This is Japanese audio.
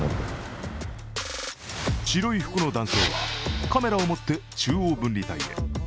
白い服の男性はカメラを持って、中央分離帯へ。